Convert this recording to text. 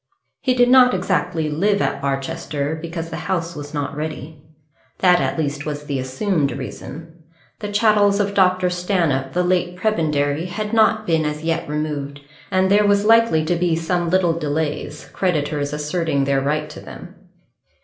He did not exactly live at Barchester, because the house was not ready. That at least was the assumed reason. The chattels of Dr. Stanhope, the late prebendary, had not been as yet removed, and there was likely to be some little delay, creditors asserting their right to them.